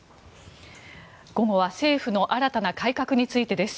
午後は政府の新たな改革についてです。